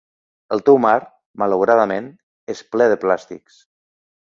El teu mar, malauradament, és ple de plàstics.